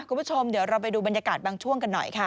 คุณผู้ชมเดี๋ยวเราไปดูบรรยากาศบางช่วงกันหน่อยค่ะ